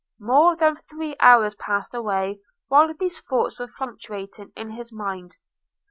More than three hours passed away while these thoughts were fluctuating in his mind.